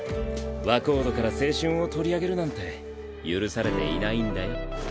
若人から青春を取り上げるなんて許されていないんだよ。